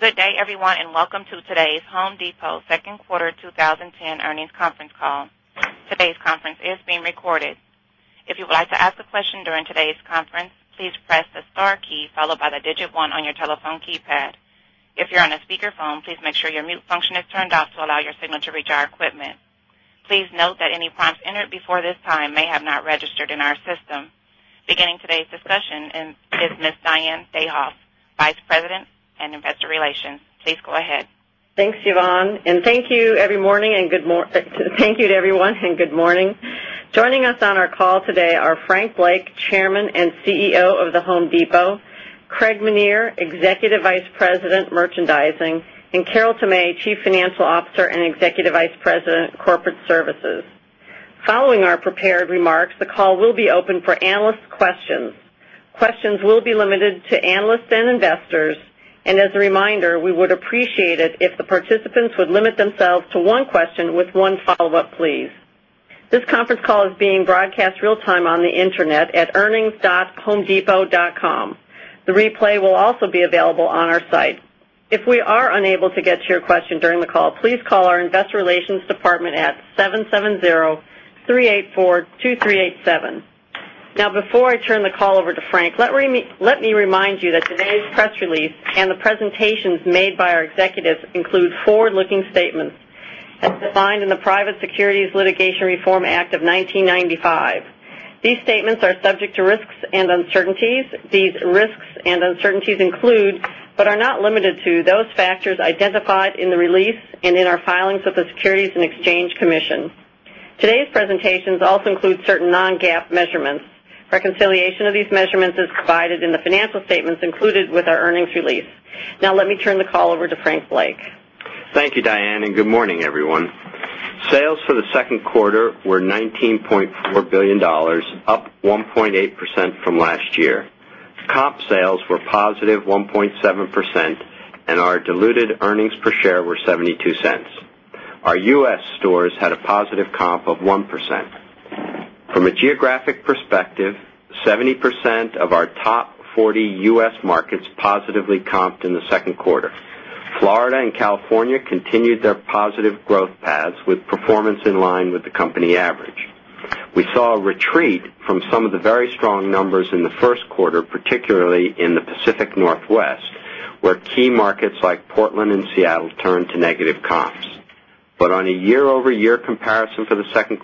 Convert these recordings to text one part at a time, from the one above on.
Good day, everyone, and welcome to today's Home Depot Second Quarter 20 10 Earnings Conference Call. Today's conference is being recorded. Beginning today's discussion is Ms. Diane Dayhoff, Vice President and Investor Relations. Please go ahead. Thanks, Yvonne, and thank you to everyone and good morning. Joining us on our call today are Frank Blake, Chairman and CEO of The Home Depot Craig Meniere, Executive Vice President, Merchandising and Carol Tamay, Chief Financial Officer and Executive Vice Corporate Services. Following our prepared remarks, the call will be open for analyst questions. Questions will be limited to analysts and investors. This conference call is being broadcast real time on the Internet at earnings. Homedepot.com. The replay will also be available on our site. If we are unable to get to your question during the call, please call our Investor Relations department at 770-384-2387. Now before I turn the call over to Frank, let me remind you that today's press release and the presentations made by our executives include forward looking statements As defined in the Private Securities Litigation Reform Act of 1995, these statements are subject to risks and uncertainties. These risks and uncertainties include, but are not limited to, those factors identified in the release and in our filings with the Securities and Exchange Commission. Today's presentation also includes certain non GAAP measurements. Reconciliation of these measurements is provided in the financial statements included with our earnings release. Now let me turn the call over to Frank Blake. Thank you, Diane, and good morning, everyone. Sales for the Q2 were $19,400,000,000 up 1.8% from last year. Comp sales were positive 1.7% and our diluted earnings per share were $0.72 Our U. S. Stores had a positive comp of 1%. From a geographic perspective, 70% of our top 40 U. S. Markets positively comped in the 2nd quarter. Florida and California continued their positive growth pads with performance in line with the company average. We saw a retreat from some of the very strong numbers in the Q1, particularly in the Pacific Northwest, Where key markets like Portland and Seattle turned to negative comps. But on a year over year comparison for the second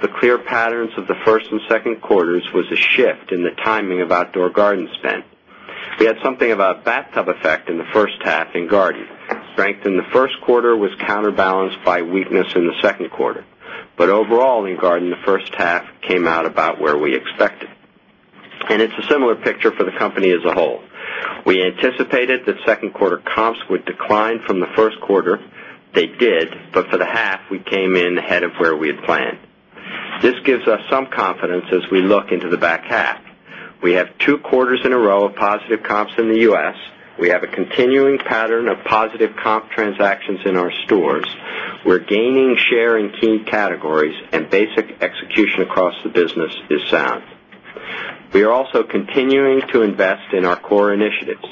The clear patterns of the 1st and second quarters was a shift in the timing of outdoor garden spend. We had something about bathtub effect in the first half in Garden. Strength in the Q1 was counterbalanced by weakness in the Q2. But overall, Enguard in the first half came out about where we expected. And it's a similar picture for the company as a whole. We anticipated that second quarter comps would decline from the Q1. They did, but for the half, we came in ahead of where we had planned. This gives us some confidence as we look into the back half. We have 2 quarters in a row of positive comps in the U. S. We have a continuing pattern of positive comp transactions in our stores. We're gaining share in key categories and basic execution across the business is sound. We are also continuing to invest in our core initiatives.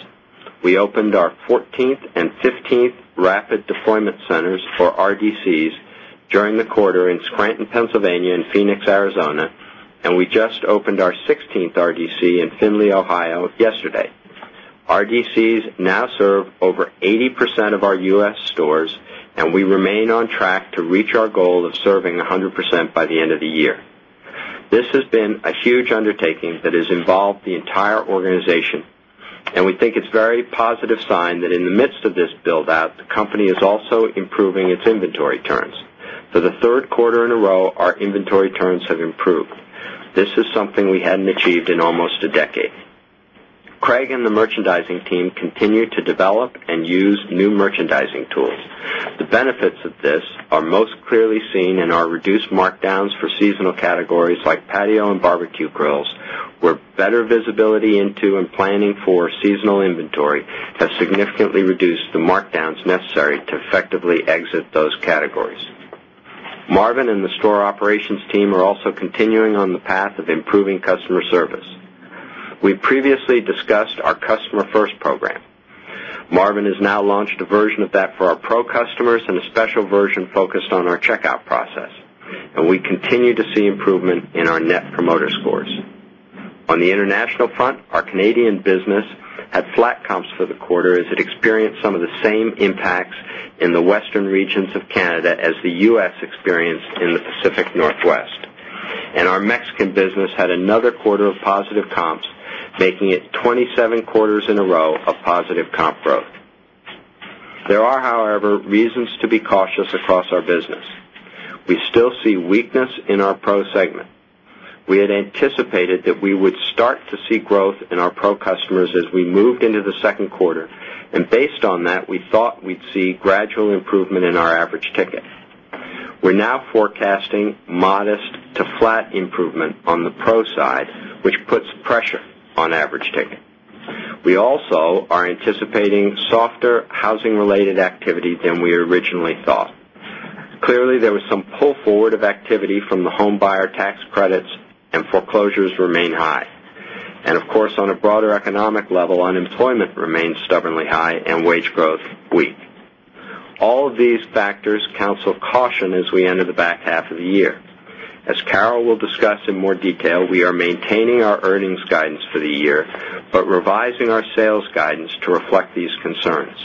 We opened our 14th 15th Rapid Deployment Centers for RDCs during the quarter in Scranton, Pennsylvania and Phoenix, Arizona And we just opened our 16th RDC in Findlay, Ohio yesterday. RDCs now serve over 80% of our U. S. Stores And we remain on track to reach our goal of serving 100% by the end of the year. This has been a huge undertaking that has involved the entire organization And we think it's very positive sign that in the midst of this build out, the company is also improving its inventory turns. For the Q3 in a row, our inventory turns have improved. This is something we hadn't achieved in almost a decade. Craig and the merchandising team continue to develop and use new merchandising tools. The benefits of this are most clearly seen in our reduced markdowns for seasonal categories like patio and barbecue grills, where better visibility into and Planning for seasonal inventory has significantly reduced the markdowns necessary to effectively exit those categories. Marvin and the store operations team are also continuing on the path of improving customer service. We previously discussed our customer first program. Marvin has now launched a version of that for our pro customers and a special version focused on our checkout process. And we continue to see improvement Our net promoter scores. On the international front, our Canadian business had flat comps for the quarter as it experienced some of the same impacts In the western regions of Canada as the U. S. Experienced in the Pacific Northwest. And our Mexican business had another quarter of positive comps, Making it 27 quarters in a row of positive comp growth. There are, however, reasons to be cautious across our business. We still see weakness in our Pro segment. We had anticipated that we would start to see growth in our Pro customers as we moved into the 2nd quarter. And based on that, we thought we'd see gradual improvement in our average ticket. We're now forecasting modest to flat improvement on the pro side, which puts pressure on average ticket. We also are anticipating softer housing related activity we originally thought. Clearly, there was some pull forward of activity from the homebuyer tax credits and foreclosures remain high. And of course, on a broader economic level, unemployment remains stubbornly high and wage growth weak. All of these factors Counsel caution as we enter the back half of the year. As Carol will discuss in more detail, we are maintaining our earnings guidance for the year, But revising our sales guidance to reflect these concerns,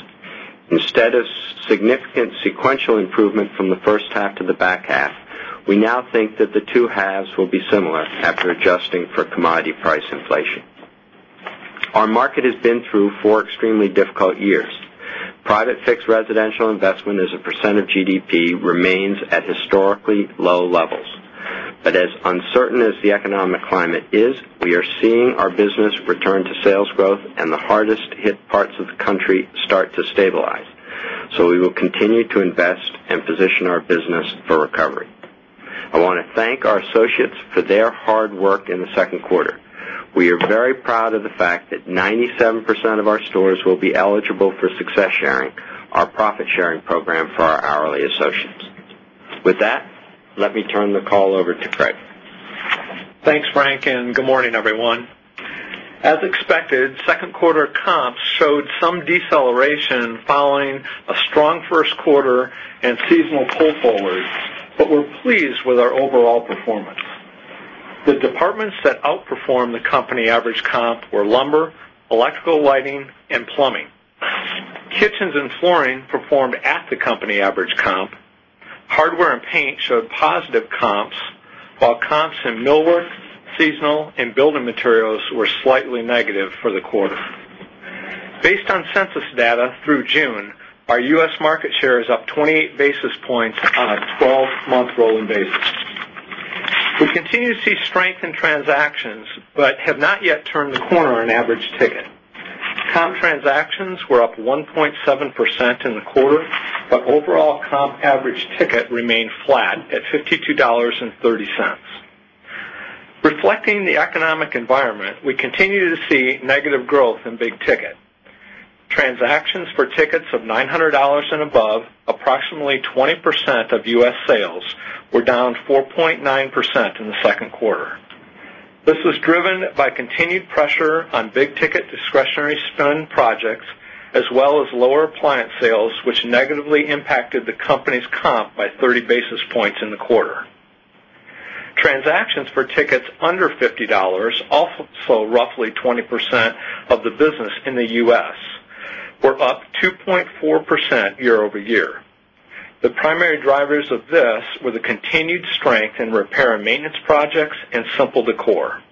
instead of significant sequential improvement from the first half to the back half, We now think that the 2 halves will be similar after adjusting for commodity price inflation. Our market has been through 4 extremely difficult years. Private fixed residential investment as a percent of GDP remains at historically low levels. But as uncertain as the economic climate is, We are seeing our business return to sales growth and the hardest hit parts of the country start to stabilize. So we will continue to invest And position our business for recovery. I want to thank our associates for their hard work in the Q2. We are very proud of the fact that 97% of our stores will be eligible for Success Sharing, our profit sharing program for our hourly associates. With that, let me turn the call over to Craig. Thanks, Frank, and good morning, everyone. As expected, 2nd quarter comps Showed some deceleration following a strong first quarter and seasonal pull forward, but we're pleased with our overall performance. The departments that outperformed the company average comp were lumber, electrical lighting and plumbing. Kitchens and flooring performed at the company average comp. Hardware and paint showed positive comps, While comps in millwork, seasonal and building materials were slightly negative for the quarter. Based on census data through June, Our U. S. Market share is up 28 basis points on a 12 month rolling basis. We continue to see strength in transactions, But have not yet turned the corner on average ticket. Comp transactions were up 1.7% in the quarter, We continue to see negative growth in big ticket. Transactions for tickets of $900 and above, approximately 20% of U. S. Sales We're down 4.9% in the 2nd quarter. This was driven by continued pressure on big ticket discretionary spend projects As well as lower appliance sales, which negatively impacted the company's comp by 30 basis points in the quarter. Transactions for tickets under $50 also roughly 20% of the business in the U. S. We're up 2.4% year over year. The primary drivers of this were the continued strength in repair and maintenance projects And simple decor.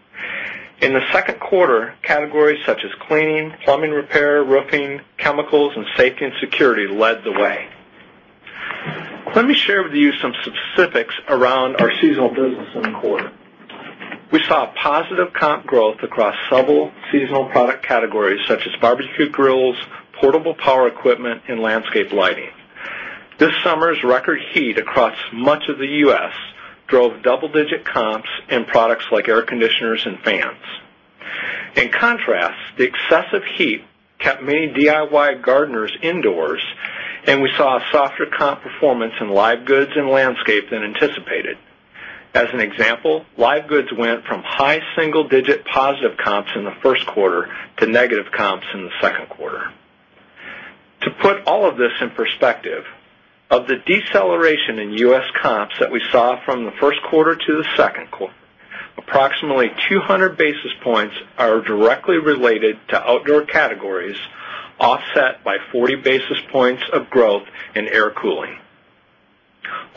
In the Q2, categories such as cleaning, plumbing repair, roofing, chemicals and safety and security led the way. Let me share with you some specifics around our seasonal business in the quarter. We saw positive comp growth across several Seasonal product categories such as barbecue grills, portable power equipment and landscape lighting. This summer's record heat across much of the U. S. Drove double digit comps in products like air conditioners and fans. In contrast, the excessive heat Kept many DIY gardeners indoors and we saw a softer comp performance in live goods and landscape than anticipated. As an example, live goods went from high single digit positive comps in the 1st quarter to negative comps in the 2nd quarter. To put all of this in perspective, of the deceleration in U. S. Comps that we saw from the Q1 to the 2nd quarter, Approximately 200 basis points are directly related to outdoor categories, offset by 40 basis points of growth and Air Cooling.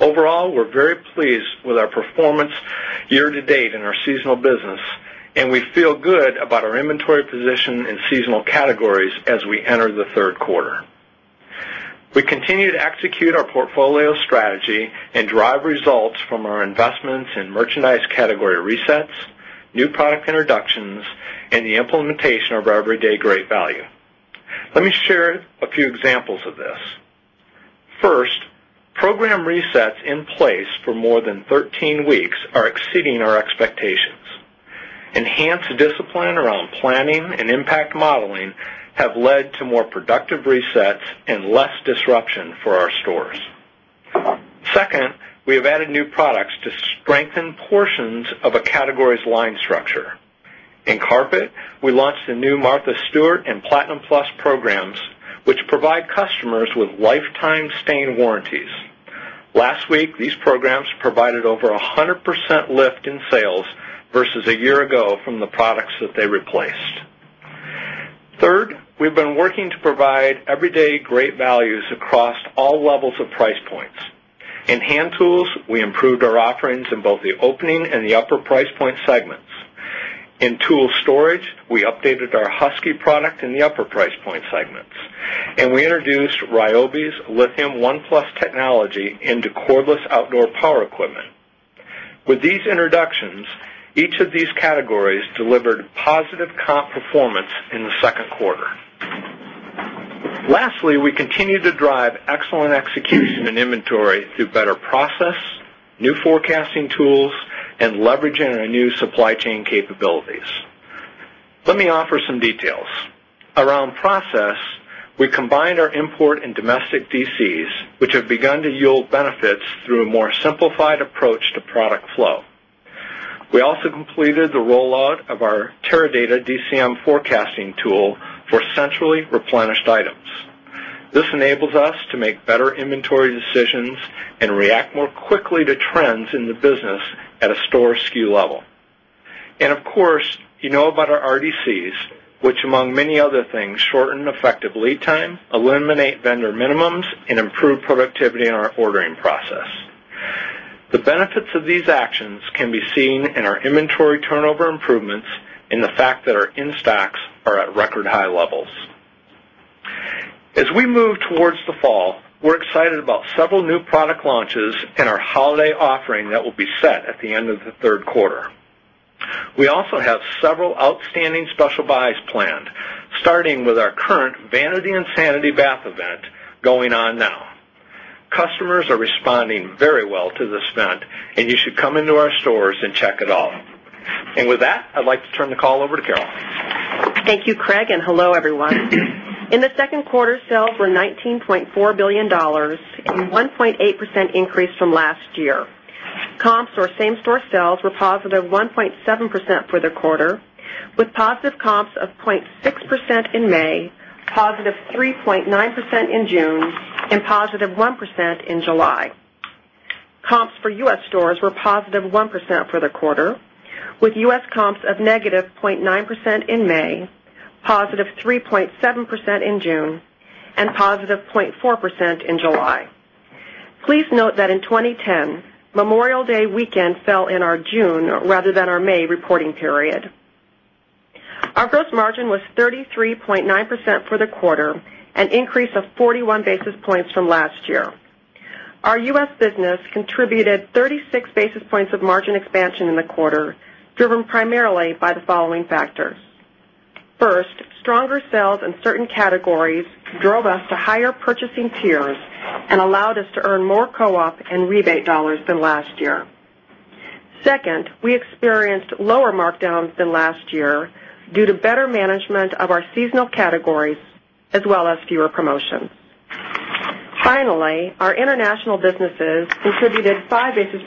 Overall, we're very pleased with our performance year to date in our seasonal business And we feel good about our inventory position in seasonal categories as we enter the Q3. We continue to execute our portfolio strategy And drive results from our investments in merchandise category resets, new product introductions and the implementation of our everyday great value. 13 weeks are exceeding our expectations. Enhanced discipline around planning and impact modeling Strengthen portions of a category's line structure. In carpet, we launched the new Martha Stewart and Platinum Plus programs, Which provide customers with lifetime stain warranties. Last week, these programs provided over 100% lift in sales In hand tools, we improved our offerings in both the opening and the upper price point segments. In tool storage, We updated our Husky product in the upper price point segments and we introduced Ryobi's Lithium 1 plus technology into cordless outdoor power equipment. With these introductions, each of these categories delivered positive comp performance in the 2nd quarter. Lastly, we continue to drive excellent execution in inventory through better process, new forecasting tools And leveraging our new supply chain capabilities. Let me offer some details. Around process, We combined our import and domestic DCs, which have begun to yield benefits through a more simplified approach to product flow. We also completed the rollout of our Teradata DCM forecasting tool for centrally replenished items. This enables us to make better inventory decisions and react more quickly to trends in the business at a store SKU level. And of course, you know about our RDCs, which among many other things shorten effective lead time, eliminate vendor minimums and improve productivity in our ordering process. The benefits of these actions can be seen in our inventory turnover improvements and the fact that our in stocks are at record high levels. As we move towards the fall, we're excited about several new product launches and our holiday offering that will be set at the end of the Q3. We also have several outstanding special buys planned, starting with our current Vanity and Sanity bath event going on now. Customers are responding very well to the spend and you should come into our stores and check it all. And with that, I'd like to turn the call over to Carol. Thank you, Craig, and hello, everyone. In the 2nd quarter, sales were $19,400,000,000 1.8% increase from last year. Comps or same store sales were positive 1.7% for the quarter With positive comps of 0.6% in May, positive 3.9% in June and positive 1% in July. Comps for U. S. Stores were positive 1% for the quarter with U. S. Comps of negative 0.9% in May, positive 3.7% in June and positive 0.4% in July. Please note that in 2010, Memorial Day weekend fell in our June rather than our May reporting period. Our gross margin was 33.9% for the quarter, an increase of 41 basis points from last year. Our U. S. Business contributed 36 basis points of margin expansion in the quarter, Driven primarily by the following factors. 1st, stronger sales in certain categories drove us to higher purchasing tiers And allowed us to earn more co op and rebate dollars than last year. 2nd, we experienced lower markdowns than last year due to better management of our seasonal categories as well as fewer promotions. Finally, our international businesses contributed 5 basis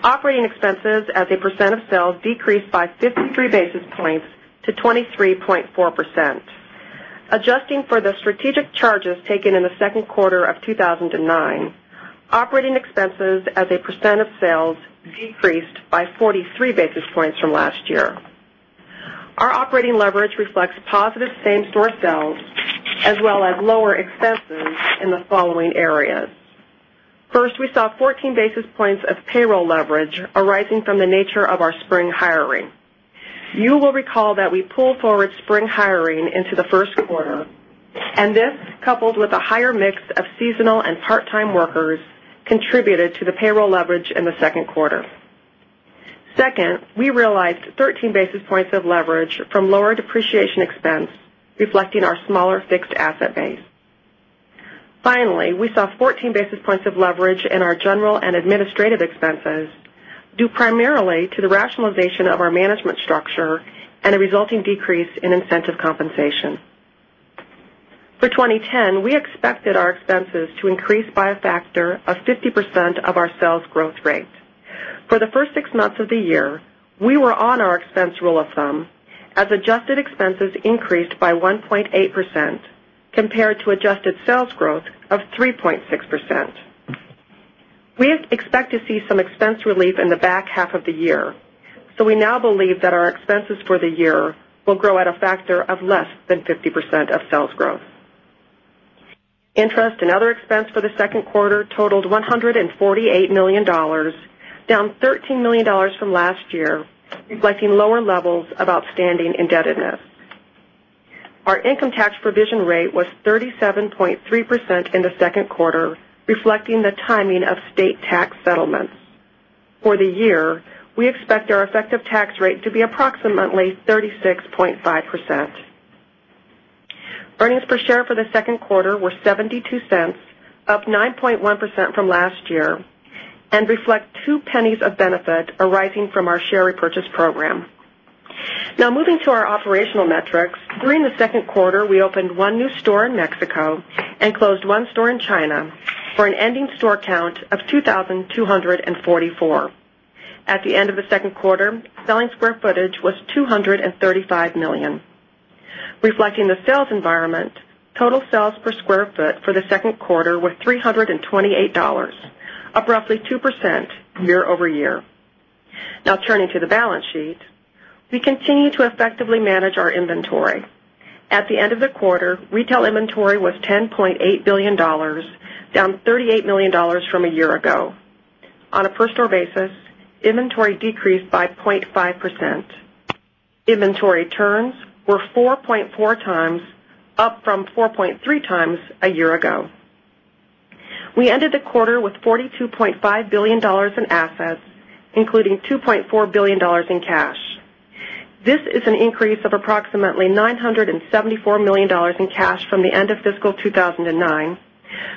Operating expenses as a percent of sales decreased by 53 basis points to 23.4%. Adjusting for the strategic charges taken in the Q2 of 2009, operating expenses as a percent of sales decreased by 43 basis points from last year. Our operating leverage reflects positive same store sales as well as lower expenses in the following areas. First, we saw 14 basis points of payroll leverage arising from the nature of our Spring hiring. You will recall that we pulled forward spring hiring into the Q1 and this coupled with a higher mix of seasonal and part time workers contributed to the payroll leverage in the 2nd quarter. 2nd, we realized 13 basis points of leverage from lower depreciation expense, reflecting our smaller fixed asset base. Finally, we saw 14 basis points of leverage in our general and administrative expenses due primarily to the rationalization of our management structure a resulting decrease in incentive compensation. For 2010, we expected our expenses to increase by a factor 50% of our sales growth rate. For the 1st 6 months of the year, we were on our expense rule of thumb As adjusted expenses increased by 1.8% compared to adjusted sales growth of 3.6%. We expect to see some expense relief in the back half of the year. So we now believe that our expenses for the year will grow at a factor of less than 50% of sales growth. Interest and other expense for the Q2 totaled $148,000,000 Down $13,000,000 from last year, reflecting lower levels of outstanding indebtedness. Our income tax provision rate was 37.3 percent in the 2nd quarter, reflecting the timing of state tax settlements. For the year, We expect our effective tax rate to be approximately 36.5 percent. Earnings per share for the 2nd quarter were $0.72 Up 9.1% from last year and reflect $0.02 of benefit arising from our share repurchase program. Now moving to our operational metrics. During the Q2, we opened 1 new store in Mexico and closed 1 store in China For an ending store count of 2,244. At the end of the second quarter, selling square footage was 235,000,000 Reflecting the sales environment, total sales per square foot for the Q2 was $3.28 up roughly 2% year over year. Now turning to the balance sheet. We continue to effectively manage our inventory. At the end of the quarter, retail inventory was $10,800,000,000 Down $38,000,000 from a year ago. On a per store basis, inventory decreased by 0.5%. Inventory turns were 4.4x, up from 4.3x a year ago. We ended the quarter with $42,500,000,000 in assets, including $2,400,000,000 in cash. This is an increase of approximately $974,000,000 in cash from the end of fiscal 2,009,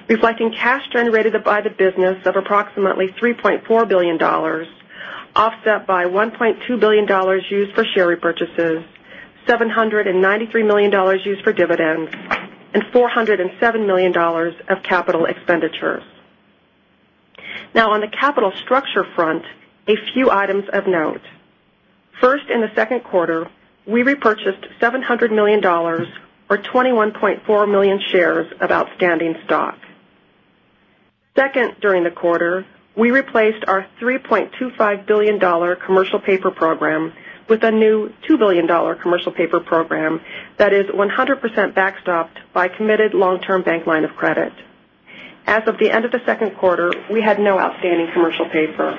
Reflecting cash generated by the business of approximately $3,400,000,000 offset by $1,200,000,000 used for share repurchases, $793,000,000 used for dividends and $407,000,000 of capital expenditures. Now on the capital structure front, a few items of note. First, in the second quarter, we repurchased $700,000,000 Our 21,400,000 shares of outstanding stock. 2nd, during the quarter, we replaced our 3 $250,000,000 commercial paper program with a new $2,000,000,000 commercial paper program that is 100% backstopped By committed long term bank line of credit. As of the end of the second quarter, we had no outstanding commercial pay firm.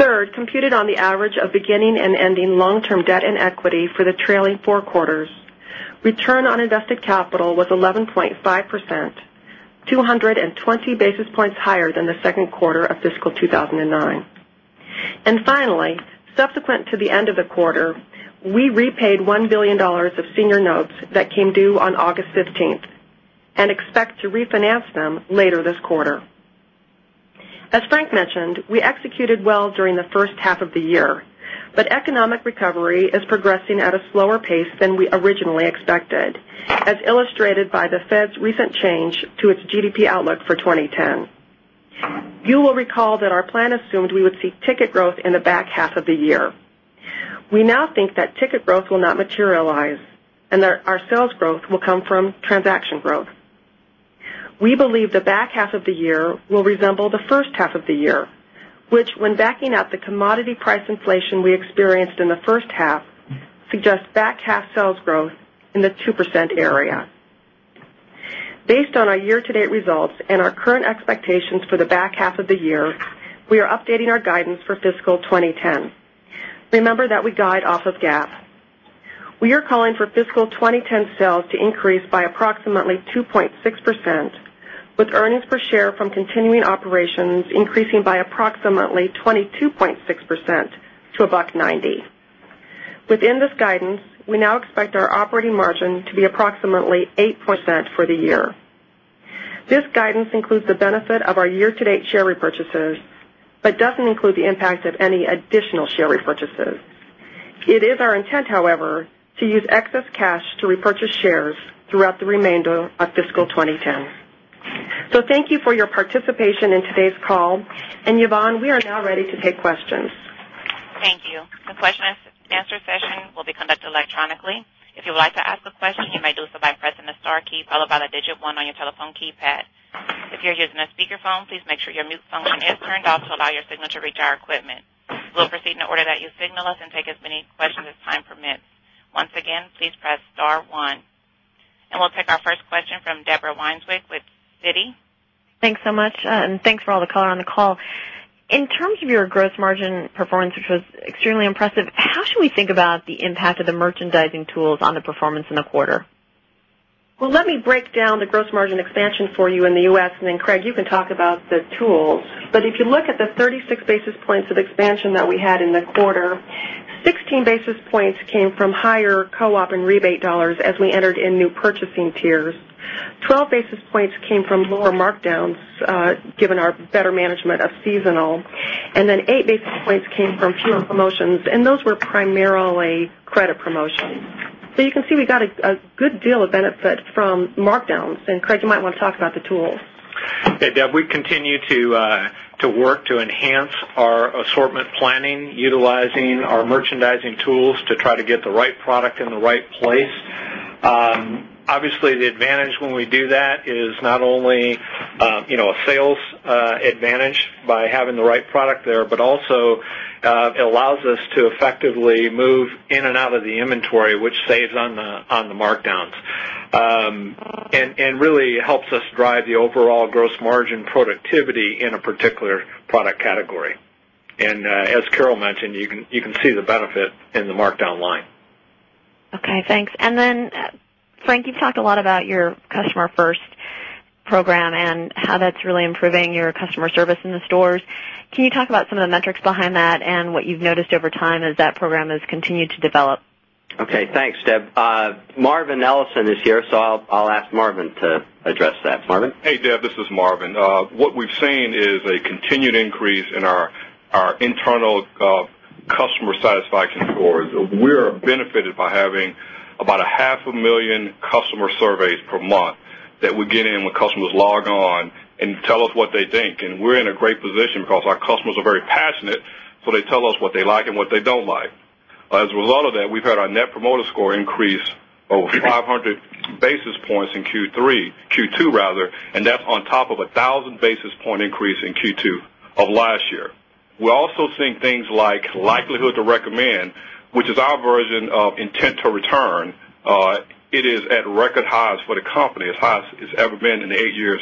3rd, computed on the average of beginning and ending long term debt and equity for the trailing 4 quarters, return on invested capital was 11.5%, 220 basis points higher than the Q2 of fiscal 2009. And finally, subsequent to the end of the quarter, We repaid $1,000,000,000 of senior notes that came due on August 15 and expect to refinance them later this quarter. As Frank mentioned, we executed well during the first half of the year, but economic recovery is progressing at a slower pace than we originally expected, As illustrated by the Fed's recent change to its GDP outlook for 2010, you will recall that our plan assumed we would ticket growth in the back half of the year. We now think that ticket growth will not materialize and that our sales growth will come from transaction growth. We believe the back half of the year will resemble the first half of the year, which when backing up the commodity price inflation we experienced in the first half Suggest back half sales growth in the 2% area. Based on our year to date results and our current expectations for the back half of the year, Within this guidance, we now expect our operating margin to be approximately 8% for the year. This guidance includes the benefit of our year to date share repurchases, but doesn't include the impact of any additional share repurchases. It is our intent, however, to use excess cash to repurchase shares throughout the remainder of fiscal 2010. So thank you for your participation in today's call. And we'll take our first question from Deborah Weinstein with Citi? Thanks so much and thanks for all the color on the call. In terms of your gross margin performance, which was extremely impressive, how should we think about impact of the merchandising tools on the performance in the quarter. Well, let me break down the gross margin expansion for you in the U. S. And then Craig, you can talk about the tools. 12 basis points came from lower markdowns, given our better management of seasonal and then 8 basis points And those were primarily credit promotions. So you can see we got a good deal of benefit from markdowns. And Craig, you might want to talk about the tools. Hey, Deb. We continue to work to enhance our assortment planning, utilizing our merchandising tools to try to get the right product in the right Place. Obviously, the advantage when we do that is not only a sales advantage By having the right product there, but also, it allows us to effectively move in and out of the inventory, which saves on the markdowns And really helps us drive the overall gross margin productivity in a particular product category. And as Carol mentioned, you can see the benefit In the markdown line. Okay. Thanks. And then Frank, you've talked a lot about your customer first program and How that's really improving your customer service in the stores. Can you talk about some of the metrics behind that and what you've noticed over time as that program has continued to develop? Okay. Thanks, Deb. Marvin Ellison is here, so I'll ask Marvin to address that. Marvin? Hey, Deb. This is Marvin. What we've seen is a continued increase And our internal customer satisfaction scores, we are benefited by having about 500,000 customer surveys per month That we get in when customers log on and tell us what they think. And we're in a great position because our customers are very passionate, so they tell us what they like and what they don't like. As a result of that, we've had our net promoter score increase over 500 basis points in Q3 Q2 rather And that's on top of a 1,000 basis point increase in Q2 of last year. We're also seeing things like likelihood to recommend, Which is our version of intent to return, it is at record highs for the company, as high as it's ever been in 8 years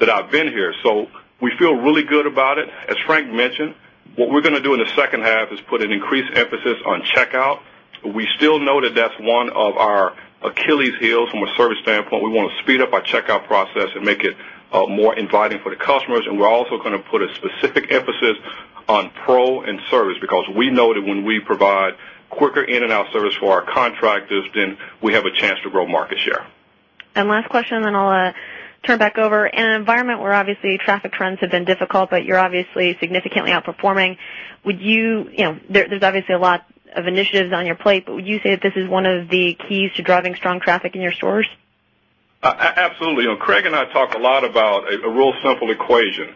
That I've been here. So we feel really good about it. As Frank mentioned, what we're going to do in the second half is put an increased emphasis on checkout. We still know that that's one of our Achilles heels from a service standpoint. We want to speed up our checkout process and make it more inviting for the customers. And we're also going to put a emphasis on pro and service because we know that when we provide quicker in and out service for our contractors then we have a chance to grow market share. And last question and then I'll turn it back over. In an environment where obviously traffic trends have been difficult, but you're obviously significantly outperforming, Would you there's obviously a lot of initiatives on your plate, but would you say that this is one of the keys to driving strong traffic in your stores? Absolutely. Craig and I talked a lot about a real simple equation,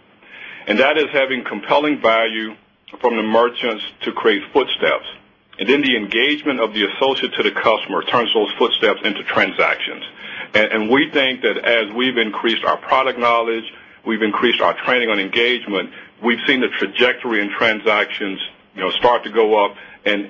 and that is having compelling value from the merchants to create footsteps. And then the engagement of the associate to the customer turns those footsteps into transactions. And we think that as we've increased our product knowledge, We've increased our training on engagement. We've seen the trajectory in transactions start to go up and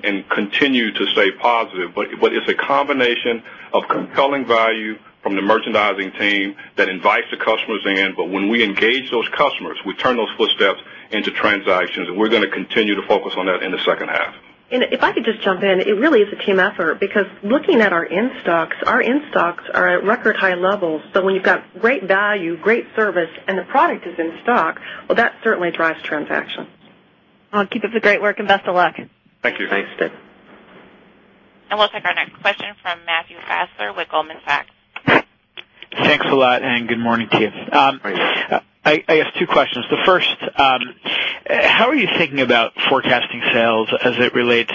We turn those footsteps into transactions and we're going to continue to focus on that in the second half. And if I could just jump in, it really is a team effort because looking at our in stocks, Our in stocks are at record high levels. So when you've got great value, great service and the product is in stock, well, that certainly drives transaction. Keep up the great work and best of luck. Thank you. Thanks, Ted. And we'll take our next question from Matthew Fassler with Goldman Sachs. Thanks a lot and good morning to you. I guess two questions. The first, how are you thinking about forecasting sales as it relates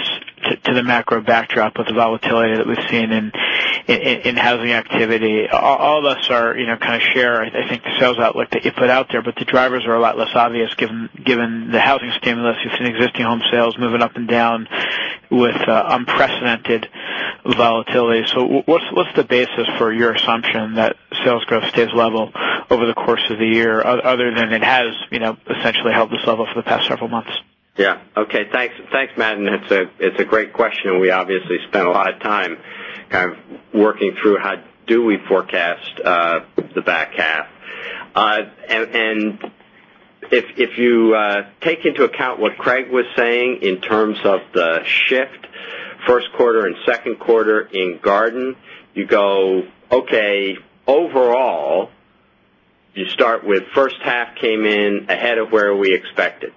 To the macro backdrop with the volatility that we've seen in housing activity, all of us are kind of share, I think, Sales outlook that you put out there, but the drivers are a lot less obvious given the housing stimulus. You've seen existing home sales moving up and down with unprecedented Volatility. So what's the basis for your assumption that sales growth stays level over the course of the year other than it has Yes. Okay. Thanks, Matt. And it's a great question. We obviously spent a lot of time kind of Working through how do we forecast the back half. And if you take into What Craig was saying in terms of the shift, Q1 and Q2 in Garden, you go, okay, overall, You start with first half came in ahead of where we expected.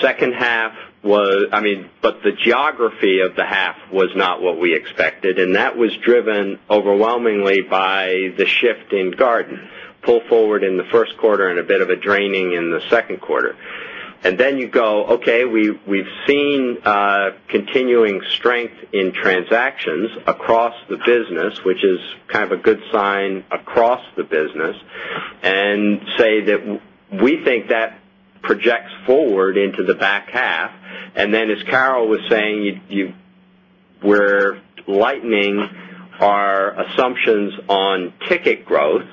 2nd half was I mean, but the geography of the half Was not what we expected and that was driven overwhelmingly by the shift in Garden pull forward in the Q1 and a bit of a draining in the 2nd quarter. And then you go, okay, we've seen continuing strength in transactions across the business, which is Kind of a good sign across the business and say that we think that projects forward into the back Cath, and then as Carol was saying, you were lightening our assumptions on ticket growth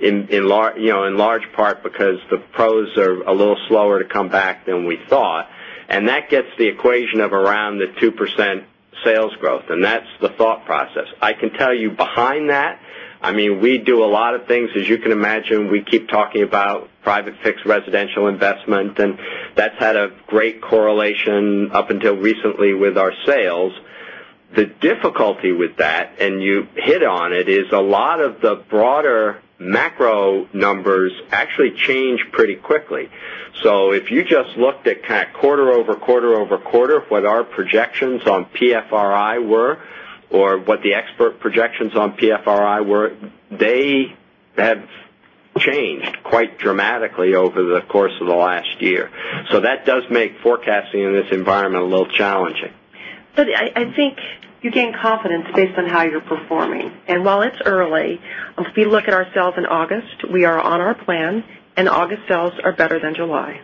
In large part because the PROs are a little slower to come back than we thought. And that gets the equation of around the 2% Sales growth and that's the thought process. I can tell you behind that, I mean, we do a lot of things. As you can imagine, we keep talking about Private fixed residential investment and that's had a great correlation up until recently with our sales. The difficulty with that and you hit on it is a lot of the broader macro numbers actually change pretty quickly. So if you just looked at kind of quarter over quarter over quarter, what our projections on PFRI were or what the expert projections on PFRI were, They have changed quite dramatically over the course of the last year. So that does make forecasting in this environment a little challenging. So I think you gain confidence based on how you're performing. And while it's early, if you look at our sales in August, we are on our plan And August sales are better than July.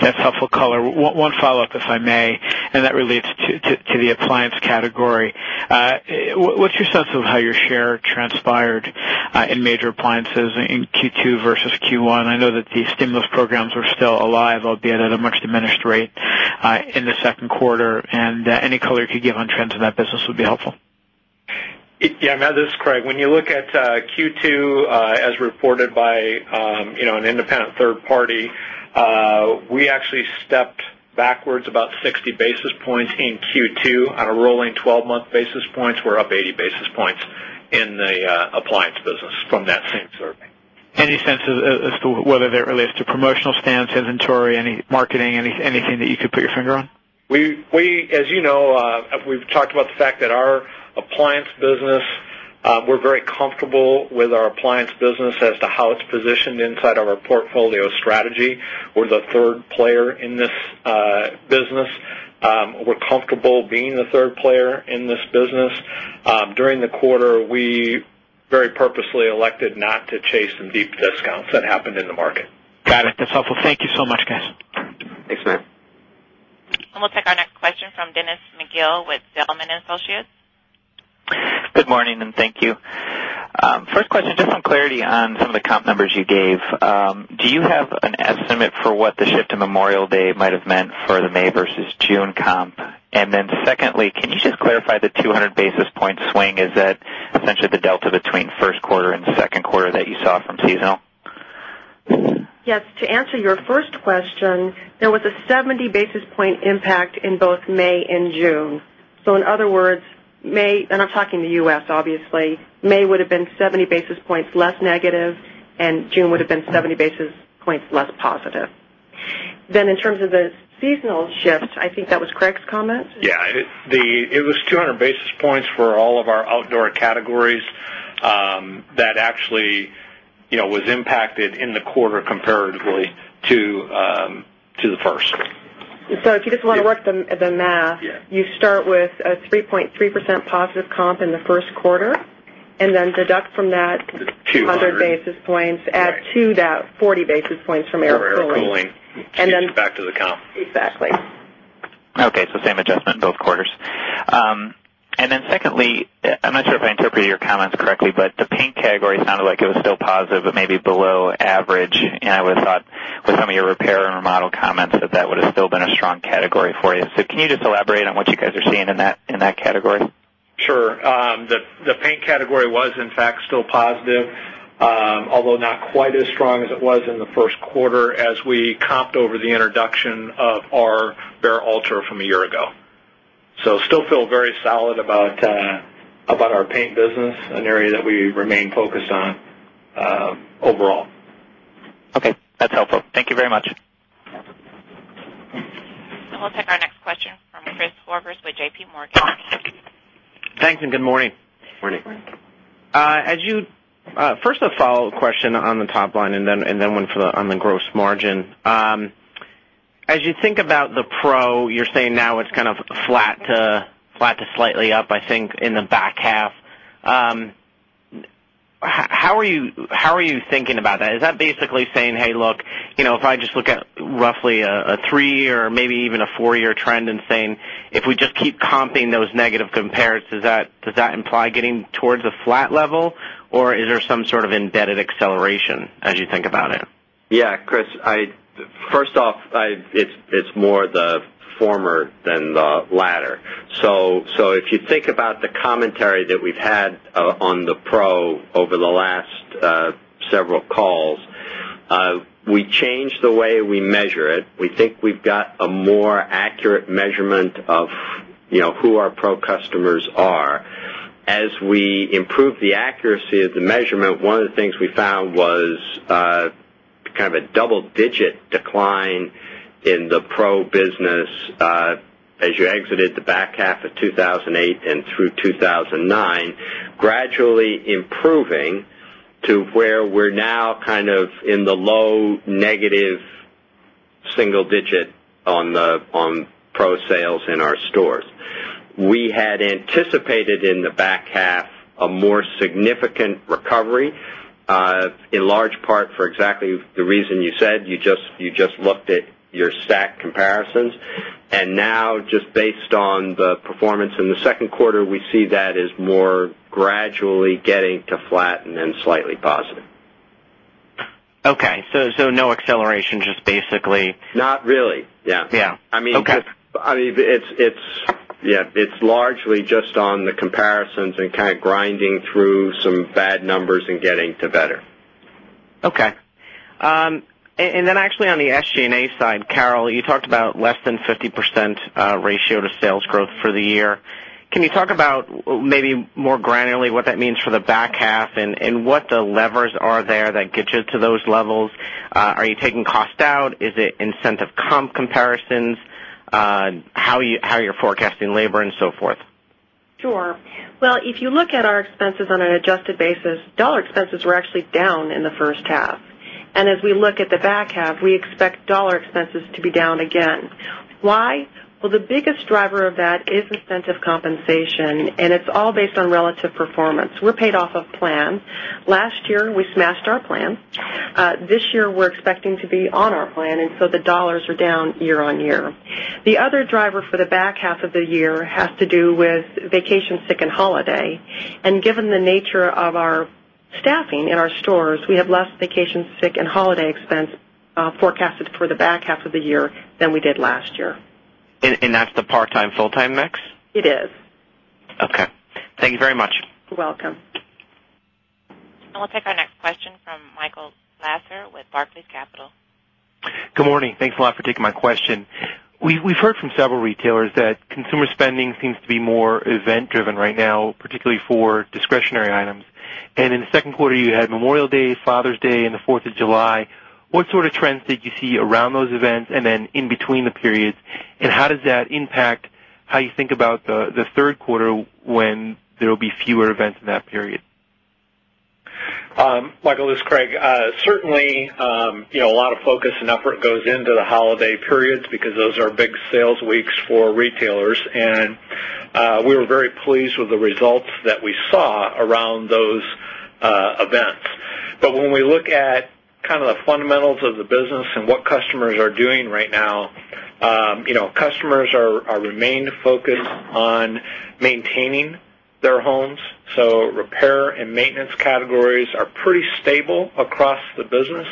That's helpful color. One follow-up, if I may, and that relates to the appliance category. What's your sense of how your share transpired in major appliances in Q2 versus Q1? I know that stimulus programs are still alive, albeit at a much diminished rate in the second quarter. And any color you could give on trends in that business would be helpful. Yes, Matt, this is Craig. When you look at Q2 as reported by an independent third party, we actually stepped Backwards about 60 basis points in Q2 on a rolling 12 month basis points. We're up 80 basis points in the appliance business from that same survey. Any sense as to whether that relates to promotional stance, inventory, any marketing, anything that you could put your finger on? We as you know, we've talked about the fact that our Appliance business, we're very comfortable with our appliance business as to how it's positioned inside of our portfolio strategy. We're the 3rd player in this business. We're comfortable being the 3rd player in this business. During the quarter, we Very purposely elected not to chase some deep discounts that happened in the market. Got it. That's helpful. Thank you so much guys. Thanks, Matt. And we'll take our next question from Dennis McGill with Zelman and Associates. Good morning and thank you. First question, just some clarity on some of the comp numbers you gave. Do you have an estimate for what the shift to Memorial Day might have meant for the May versus June comp? And then secondly, can you just clarify the 200 basis point swing? Is that essentially the delta between Q1 and Q2 that you saw from seasonal? Yes. To answer your first question, there was a 70 basis point impact in both May June. So in other words, May and I'm talking the U. S. Obviously, May would have been 70 basis points less negative and June would have been 70 basis Points for all of our outdoor categories, that actually was impacted in the quarter comparatively To the first. So if you just want to work the math, you start with a 3.3% positive comp in the first quarter And then deduct from that 100 basis points, add 2 to that 40 basis points from Air Proline. Air Proline. And then Back to the comp. Exactly. Okay. So same adjustment in both quarters. And then secondly, I'm not sure if I interpreted your comments correctly, but the paint It sounded like it was still positive, but maybe below average. And I would have thought with some of your repair and remodel comments that, that would have still been a strong So can you just elaborate on what you guys are seeing in that category? Sure. The paint category was in fact still positive, Although not quite as strong as it was in the Q1 as we comped over the introduction of our bare ultra from a year ago. So still feel very solid about our paint business, an area that we remain focused on overall. Okay. That's helpful. Thank you very much. And we'll take our next question from Chris Horvers with JPMorgan. Thanks and good morning. Good morning. First a follow-up question on the top line and then one for the on the gross margin. As you think about the Pro, you're saying now it's kind of flat to slightly up, I think, in the back half. How are you thinking about that? Is that basically saying, hey, look, if I just look at roughly a 3 year or maybe even a 4 year trend and saying, If we just keep comping those negative compares, does that imply getting towards a flat level? Or is there some sort of embedded acceleration as you think about it? Yes. Chris, I first off, it's more the former than the latter. So if you think about the commentary that we've had On the PRO over the last several calls, we changed the way we measure it. We think Accuracy of the measurement, one of the things we found was kind of a double digit decline in the Pro business As you exited the back half of 2,008 and through 2,009, gradually improving To where we're now kind of in the low negative single digit on Pro sales in our stores. We had anticipated in the back half a more significant recovery, In large part for exactly the reason you said, you just looked at your stack comparisons. And now just based on the Okay. So no acceleration, just basically? Not really. Yes. Yes. I mean, it's Yes. It's largely just on the comparisons and kind of grinding through some bad numbers and getting to better. Okay. And then actually on the SG and A side, Carol, you talked about less than 50% ratio to sales growth for the year. Can you talk about maybe more granularly what that means for the back half and what the levers are there that get you to those levels? Are you taking cost out? Is it incentive comp comparisons? How you're forecasting labor and so forth? Sure. Well, if you look at our expenses on an adjusted basis, dollar expenses were actually down in the first half. And as we look at the back half, we expect dollar expenses to be down again. Why? Well, the biggest driver of that is incentive compensation, And it's all based on relative performance. We're paid off of plan. Last year, we smashed our plan. This year we're expecting to be on our plan and so the dollars are down year on year. The other driver for the back half of the year has to do with vacation, sick and holiday. And given the nature of our staffing in our stores, we have less vacation, sick and holiday expense forecasted for the back half of the year than we did last year. And that's the part time, full time mix? It is. Okay. Thank you very much. Welcome. And we'll take our next question from Michael Lasser with Barclays Capital. Good morning. Thanks a lot for taking my question. We've heard from several retailers that consumer spending seems to be more event driven right now, particularly for discretionary items. In the Q2, you had Memorial Day, Father's Day and the 4th July. What sort of trends did you see around those events and then in between the periods? And how does that impact How you think about the Q3 when there will be fewer events in that period? Michael, this is Craig. Certainly, A lot of focus and effort goes into the holiday periods because those are big sales weeks for retailers. And We were very pleased with the results that we saw around those events. But when we look at Kind of the fundamentals of the business and what customers are doing right now, customers are remained focused on maintaining There are homes, so repair and maintenance categories are pretty stable across the business.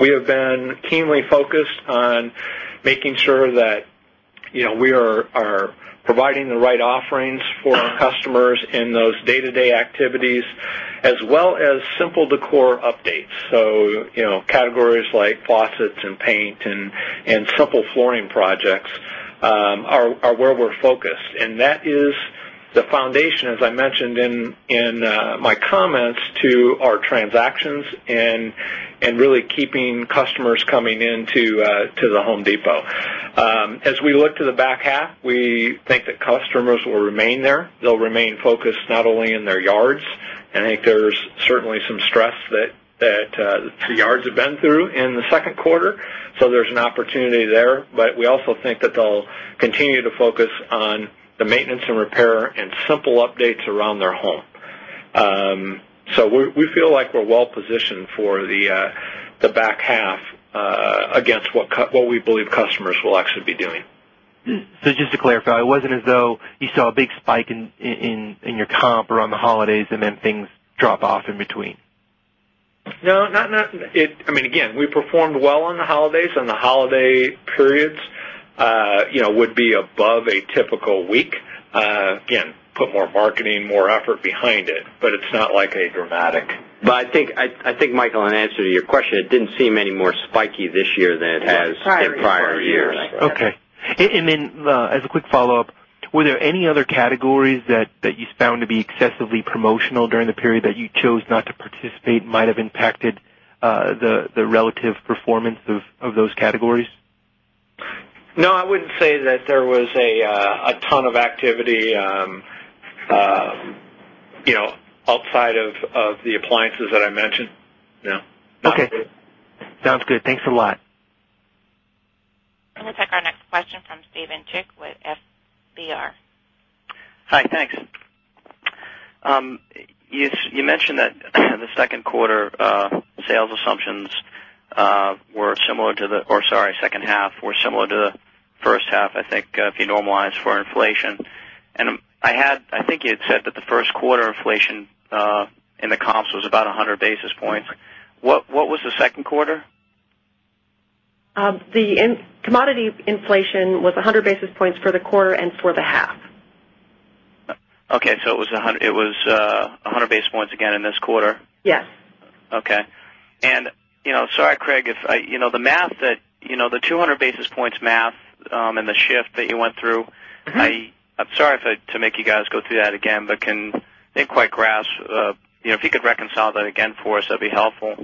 We have been keenly focused on Making sure that we are providing the right offerings for our customers in those day to day activities As well as simple decor updates, so categories like faucets and paint and simple flooring projects And really keeping customers coming into the Home Depot. As we look to the back half, we think Tremors will remain there. They'll remain focused not only in their yards. And I think there's certainly some stress that the yards have been through in the second quarter. So there's an opportunity there, but we also think that they'll continue to focus on the maintenance and repair and simple updates around their home. So we feel like we're well positioned for the back half against what we believe customers will actually be doing. So just to clarify, it wasn't as though you saw a big spike in your comp around the holidays and then things drop off in between? No, not I mean, again, we performed well on the holidays and the holiday periods would be above a typical week. Again, put more marketing, more effort behind it, but it's not like a dramatic But I think Michael, in answer to your question, it didn't seem any more Spiky this year than it has in prior years. Okay. And then as a quick follow-up, were there any other categories that You found to be excessively promotional during the period that you chose not to participate might have impacted the relative performance of those categories? No, I wouldn't say that there was a ton of activity Outside of the appliances that I mentioned? No. Okay. Sounds good. Thanks a lot. We'll take our next question from Steven Chik with FBR. Hi, thanks. You mentioned that the 2nd quarter sales assumptions were similar to the or sorry, second half were similar to the 1st half, I think, if you normalize for inflation. And I had I think you had said that the 1st quarter inflation The comps was about 100 basis points. What was the 2nd quarter? The commodity Inflation was 100 basis points for the quarter and for the half. Okay. So it was 100 basis points again in this quarter? Yes. Okay. And sorry, Craig, the math that the 200 basis points math and the shift that you went through, I'm sorry if I had to make you guys go through that again, but can they quite grasp, if you could reconcile that again for us, that would be helpful.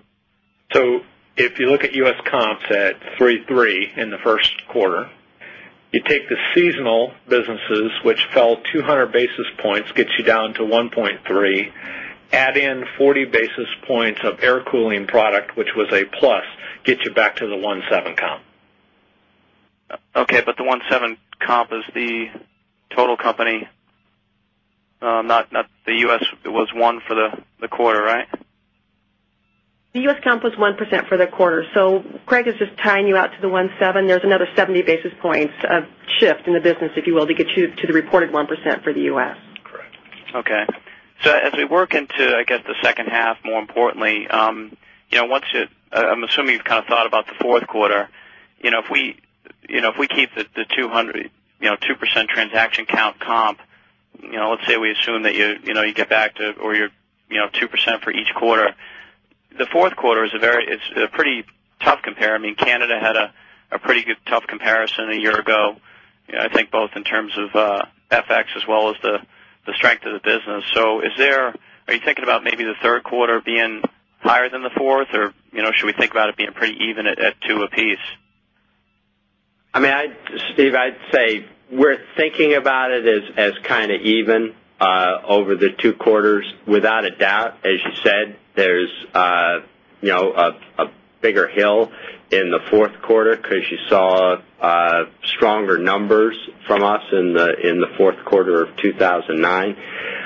Points gets you down to 1.3%, add in 40 basis points of air cooling product, which was a plus, gets you back to the 1.7% comp. Okay. But the 1.7% comp is the total company, not the U. S. It was 1% for the quarter, right? The U. S. Comp was 1% for the quarter. So Craig is just tying you out to the 1.7%. There's another 70 basis points of shift in the business, if you will, to get you to the reported 1% for the U. S. Correct. Okay. So as we work into, I guess, the second half more importantly, Once you I'm assuming you've kind of thought about the Q4. If we keep the 2% transaction count comp, Let's say we assume that you get back to or you're 2% for each quarter. The Q4 is a very it's a pretty Tough compare. I mean, Canada had a pretty good tough comparison a year ago, I think both in terms of FX as well as The strength of the business. So is there are you thinking about maybe the Q3 being higher than the 4th? Or should we think about it being pretty even at 2 apiece? I mean, Steve, I'd say we're thinking about it as kind of even over the 2 quarters Without a doubt, as you said, there is a bigger hill in the Q4 because you saw stronger numbers From us in the Q4 of 2,009.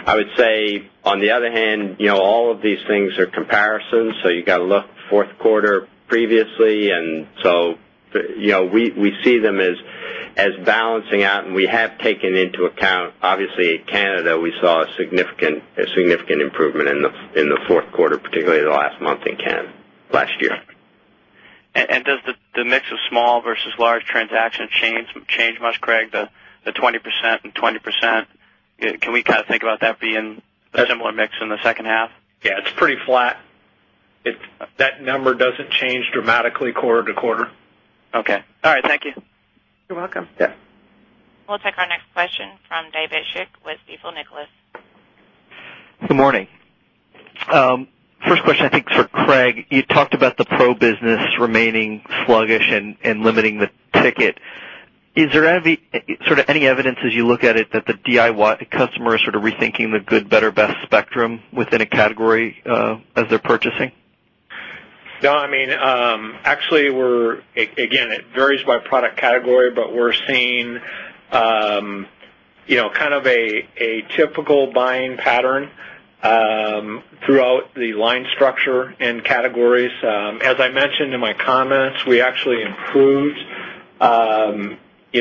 I would say, on the other hand, all of these things are comparisons. So you got to look 4th quarter Previously and so we see them as balancing out and we have taken into account obviously in Canada we saw a A significant improvement in the Q4, particularly the last month in Ken last year. And does The mix of small versus large transaction changed much, Craig, the 20% 20%. Can we kind of think about that being Similar mix in the second half. Yes, it's pretty flat. That number doesn't change dramatically quarter to quarter. Okay. All right. Thank you. You're welcome. Yes. We'll take our next question from David Shick with Stifel Nicolaus. Good morning. First question, I think, is for Craig. You talked about the pro business remaining sluggish and limiting the ticket. Is there any sort of any evidence as you look at it that the DIY customers sort of rethinking the good, better, best spectrum within a category as they're purchasing? No, I mean, actually we're again, it varies by product category, but we're seeing Kind of a typical buying pattern throughout the line structure and categories. As I mentioned in my comments, we We improved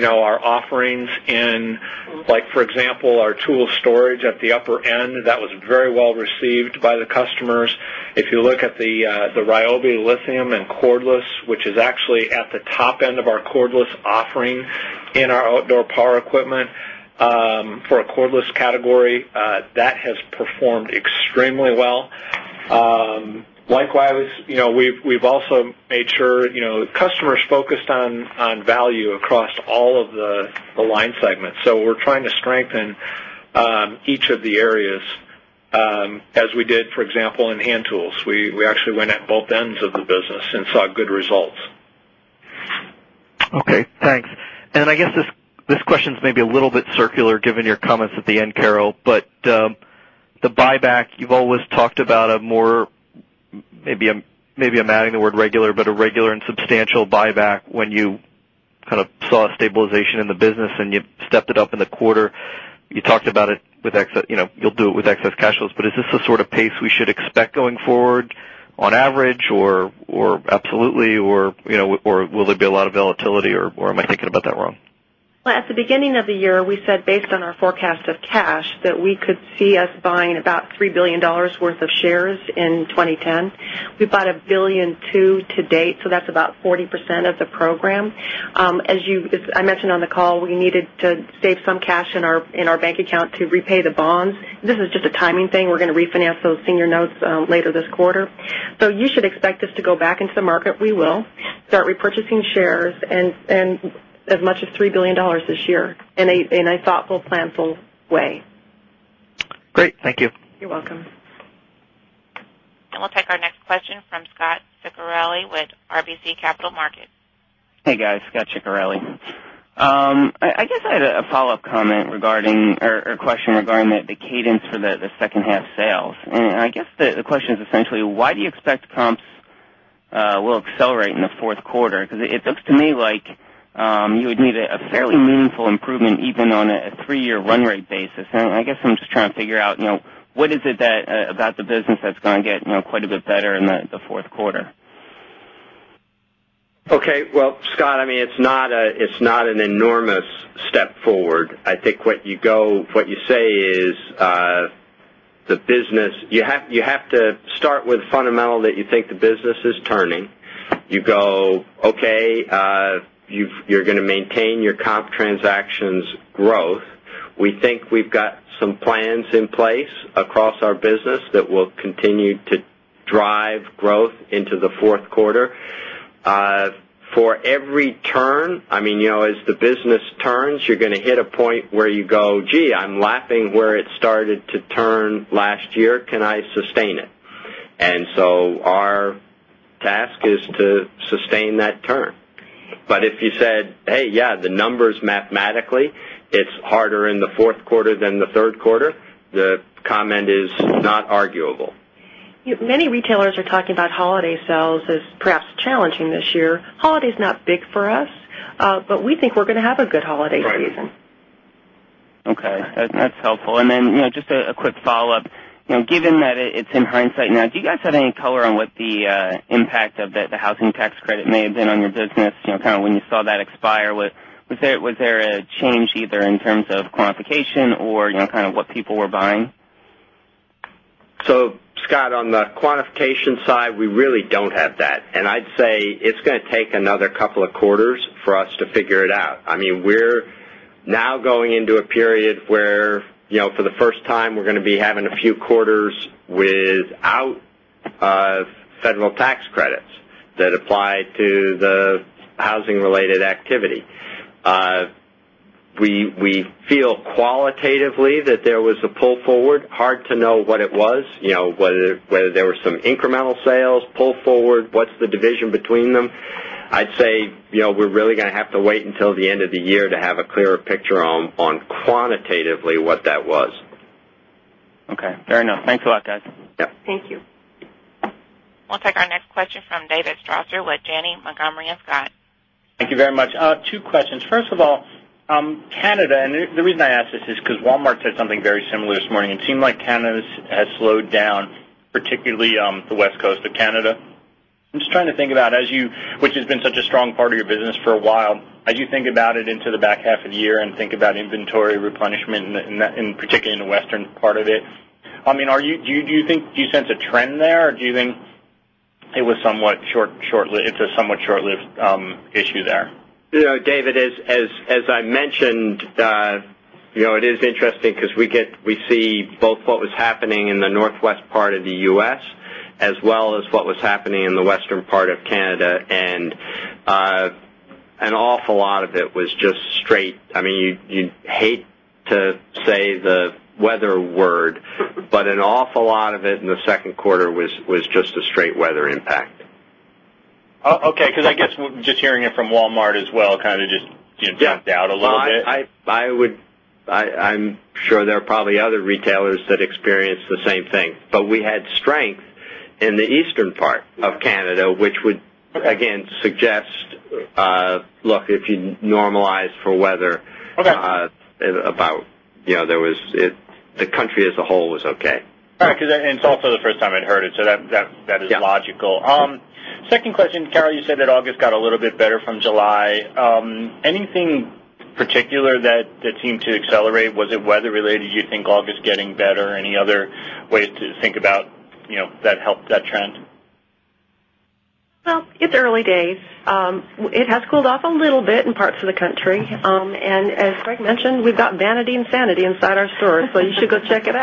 our offerings in like for example, our tool storage at the upper That was very well received by the customers. If you look at the Ryobi lithium and cordless, which is actually at the Top end of our cordless offering in our outdoor power equipment for a cordless category that has performed extremely well. Likewise, we've also made sure customers focused on value across all of The line segment. So we're trying to strengthen each of the areas as we did, for example, in hand tools. We actually went at both ends of the business Since our good results. Okay. Thanks. And I guess this question is maybe a little bit circular given your comments at the end, Carol. But The buyback, you've always talked about a more maybe I'm adding the word regular, but a regular and substantial buyback when you Kind of saw stabilization in the business and you've stepped it up in the quarter. You talked about it with you'll do it with excess cash flows. But is this the sort of pace we should expect going forward On average or absolutely? Or will there be a lot of volatility? Or am I thinking about that wrong? Well, at the beginning of the year, we said based on our forecast Cash that we could see us buying about $3,000,000,000 worth of shares in 2010. We bought $1,200,000,000 to date, so that's about 40% of the program. As you as I mentioned on the call, we needed to save some cash in our bank account to repay the bonds. Is just a timing thing. We're going to refinance those senior notes later this quarter. So you should expect us to go back into the market, we will, start repurchasing shares and As much as $3,000,000,000 this year in a thoughtful, planful way. Great. Thank you. You're welcome. And we'll take our next question from Scot Ciccarelli with RBC Capital Markets. Hey guys, Scot Ciccarelli. I guess I had a follow-up comment regarding or question regarding the cadence for the second half sales. And I guess the question is essentially why do you expect comps We'll accelerate in the Q4 because it looks to me like you would need a fairly meaningful improvement even on a 3 year run rate basis. I guess I'm just trying to figure out what is it that about the business that's going to get quite a bit better in the Q4? Okay. Well, Scott, I mean, it's not an enormous step forward. I think what you go what you say is The business you have to start with fundamental that you think the business is turning. You go, okay, You're going to maintain your comp transactions growth. We think we've got some plans in place across our business that will continue to Drive growth into the Q4. For every turn, I mean, as the business Turns, you're going to hit a point where you go, gee, I'm lapping where it started to turn last year, can I sustain it? And so our Task is to sustain that turn. But if you said, hey, yes, the numbers mathematically, it's harder in the Q4 than the Q3, The comment is not arguable. Many retailers are talking about holiday sales as perhaps challenging this year. Holiday is not big for us, But we think we're going to have a good holiday. Okay. That's helpful. And then just a quick follow-up. Given that it's in hindsight now, do you guys have any color on what the impact of the housing tax credit may have been on your business kind of when you saw that expire? Was there a change either in terms of quantification or kind of what people were buying? So Scott, on the quantification side, we really don't have that. And I'd say it's going to take another couple of quarters for us to figure it out. I mean, we're Now going into a period where for the first time, we're going to be having a few quarters without Federal tax credits that apply to the housing related activity. We feel qualitatively that there was a pull forward, hard to know what it was, whether there were some incremental sales, pull forward, what's the Sales pull forward, what's the division between them? I'd say, we're really going to have to wait until the end of the year to have a clearer Jerome, on quantitatively what that was. Okay. Fair enough. Thanks a lot guys. Thank you. We'll take our next question from David Strausser with Janney Montgomery and Scott. Thank you very much. Two questions. First of all, Canada, and the reason I ask this is because Walmart said something very similar this morning. It seemed like Canada has slowed down, particularly the West Coast of Canada. Just trying to think about as you which has been such a strong part of your business for a while, as you think about it into the back half of the year and think about inventory replenishment in particular in the Western Part of it. I mean, are you do you think do you sense a trend there? Or do you think it was somewhat short it's a somewhat short lived issue there? David, as I mentioned, it is interesting because we get we see both what was happening in the northwest part of the U. S. As well as what was happening in the western part of Canada and an awful lot of it was just straight. I mean, you hate To say the weather word, but an awful lot of it in the second quarter was just a straight weather impact. Okay. Because I guess just hearing it from Walmart as well kind of just jumped out a lot. Yes. I would I'm Sure. There are probably other retailers that experienced the same thing. But we had strength in the eastern part of Canada, which would Again, suggest, look, if you normalize for weather, about there was the country as a whole was okay. And it's also the first time I heard it. So that is logical. Second question, Carol, you said that August got a little bit better from July. Anything Particular that the team to accelerate, was it weather related? Do you think August getting better? Any other ways to think about that helped that trend? Well, it's early days. It has cooled off a little bit in parts of the country. And as Greg mentioned, we've got vanity and sanity inside our stores. So you should go check it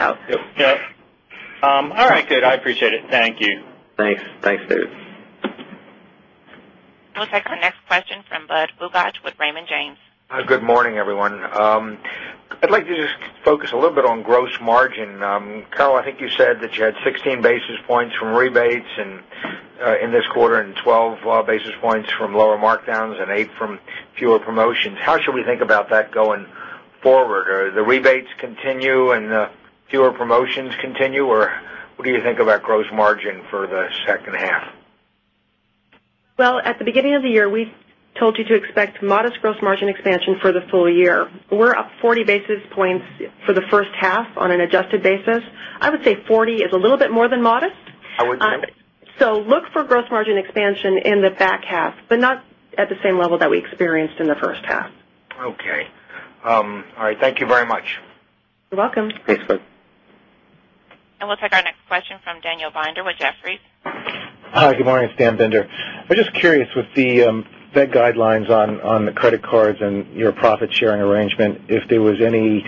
We'll take our next question from Budd Bugatch with Raymond James. Good morning, everyone. I'd like to just focus a little bit on gross margin. Carl, I think you said that you had 16 basis points from rebates In this quarter and 12 basis points from lower markdowns and 8 from fewer promotions, how should we think about that going Forward, the rebates continue and fewer promotions continue? Or what do you think about gross margin for the second half? Well, at the beginning of the year, we told you to expect modest gross margin expansion for the full year. We're up 40 basis points for the first half On an adjusted basis, I would say 40% is a little bit more than modest. So look for gross margin expansion in the back half, but not At the same level that we experienced in the first half. Okay. All right. Thank you very much. You're welcome. Thanks, Budd. And we'll take our next question from Daniel Binder with Jefferies. Hi, good morning. It's Dan Binder. I'm just curious with the Fed guidelines on the credit cards and your profit Sharing arrangement, if there was any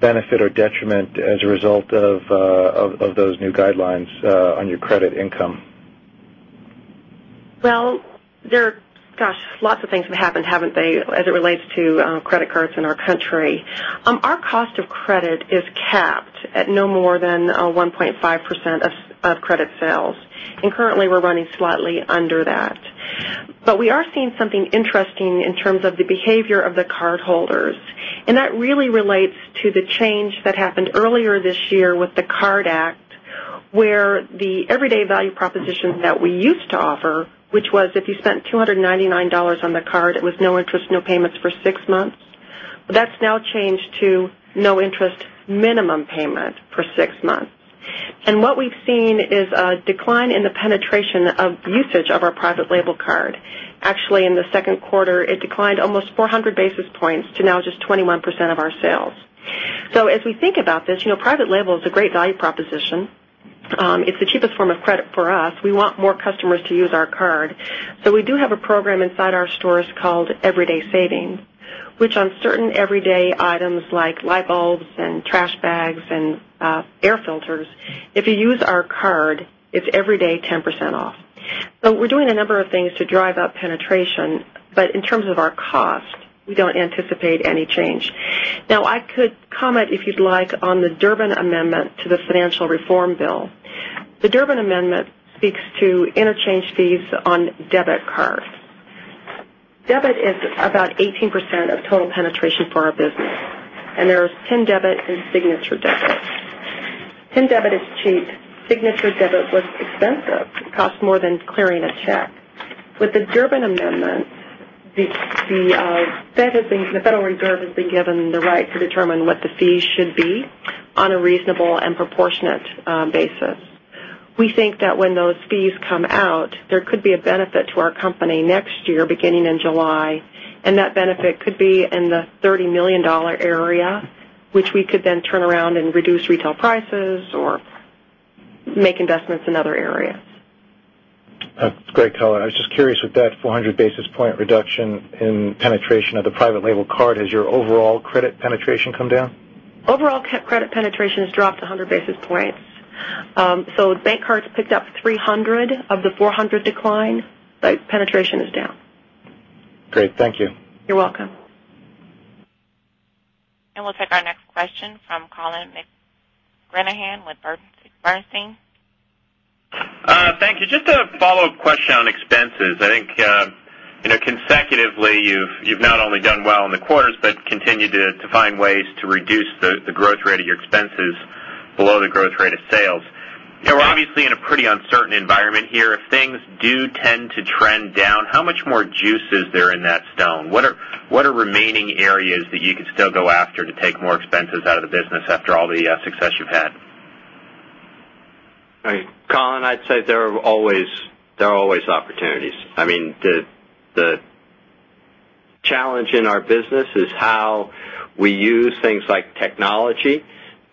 benefit or detriment as a result of those new guidelines on your credit income? Well, there are gosh, lots of things have happened, haven't they, as it relates to credit cards in our country. Our cost of Credit is capped at no more than 1.5% of credit sales. And currently, we're running slightly under that. But we are seeing something interesting in terms of the behavior of the cardholders. And that really relates to the change that happened earlier this year with Card Act, where the everyday value proposition that we used to offer, which was if you spent $2.99 on the card, it was no interest, no payments for 6 months. In the penetration of usage of our private label card, actually in the second quarter, it declined almost 400 basis points to now just 21% of our sales. So as we think about this, private label is a great value proposition. It's the cheapest form of credit for us. We want more customers to use our card. So we do have a program inside our stores called everyday savings, which on certain everyday items like light bulbs and trash bags and air filters, If you use our card, it's every day 10% off. So we're doing a number of things to drive up penetration, but in terms of our cost, We don't anticipate any change. Now I could comment if you'd like on the Durbin Amendment to the Financial Reform Bill. The Durbin Amendment Speaks to interchange fees on debit cards. Debit is about 18% of total penetration for our business And there is PIN debit and Signature debit. PIN debit is cheap. Signature debit was expensive. It costs more than clearing a check. With the Durbin amendment, the Federal Reserve has been given the right to determine what the fees should be On a reasonable and proportionate basis. We think that when those fees come out, there could be a benefit to our company next year beginning in July That benefit could be in the $30,000,000 area, which we could then turn around and reduce retail prices or Make investments in other areas. Great color. I was just curious with that 400 basis point reduction in penetration of the private label card, has your overall Overall, credit penetration has dropped 100 basis points. So bank cards picked up 300 of the 400 decline, The penetration is down. Great. Thank you. You're welcome. And we'll take our next question from Colin Just a follow-up question on expenses. I think Consecutively, you've not only done well in the quarters, but continue to find ways to reduce the growth rate of your expenses below the growth rate of sales. We're obviously in a pretty uncertain environment here. If things do tend to trend down, how much more juice is there in that stone? What are remaining areas that you could So go after to take more expenses out of the business after all the success you've had? Colin, I'd say there There are always opportunities. I mean, the challenge in our business is how we use things like technology